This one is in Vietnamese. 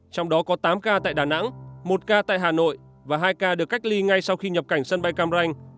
trong đó có tám ca tại đà nẵng một ca tại hà nội và hai ca được cách ly ngay sau khi nhập cảnh sân bay cam ranh